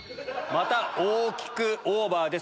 また大きくオーバーです。